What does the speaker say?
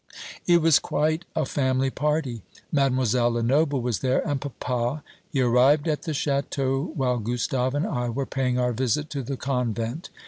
It was quite a family party. Mademoiselle Lenoble was there, and papa. He arrived at the château while Gustave and I were paying our visit to the convent.